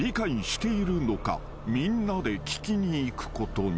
［みんなで聞きに行くことに］